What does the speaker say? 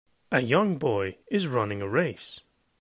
A young boy is running a race